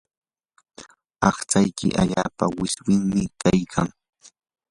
aqtsayki allaapa wiswimim kaykan.